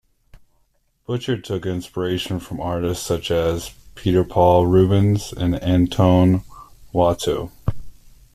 Boucher took inspiration from artists such as Peter Paul Rubens and Antoine Watteau.